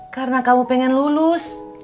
karena kamu pengen lulus